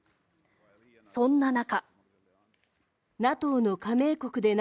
そんな中。